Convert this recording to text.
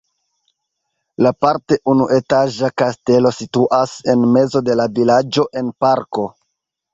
La parte unuetaĝa kastelo situas en mezo de la vilaĝo en parko.